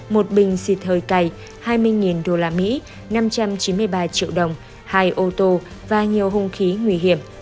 một bình xịt hơi cay hai mươi usd năm trăm chín mươi ba triệu đồng hai ô tô và nhiều hung khí nguy hiểm